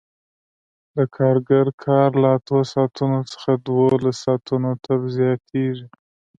د کارګر کار له اتو ساعتونو څخه دولسو ساعتونو ته زیاتېږي